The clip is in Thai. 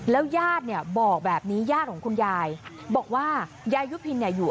แล้วยาดแบบนี้ยาดของคุณญายบอกว่ายายุบินอยู่